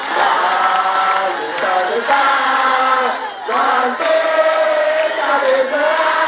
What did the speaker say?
bagi serentak nanti tak bisa